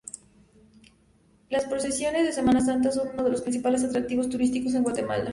Las procesiones de Semana Santa son uno de los principales atractivos turísticos en Guatemala.